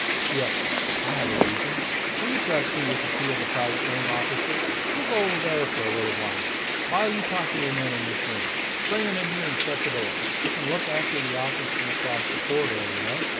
"Yes, I have a reason. Will you trust me with the 'key' of the private room opposite? I will go over there for a little, while you talk to your men in this room. Bring them in here and shut the door; I can look after the office from across the corridor, you know.